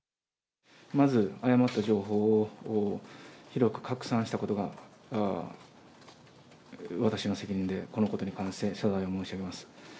まず誤った情報を広く拡散したことが、私の責任で、このことに関して謝罪を申し上げます。